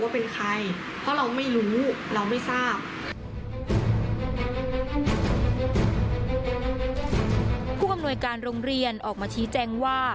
ผู้อำนวยการโรงเรียนออกมาชี้แจงว่า